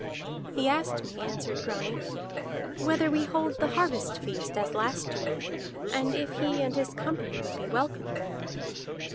"He asked me," answered Grani, "whether we hold the harvest feast as last year, and if he and his company would be welcome."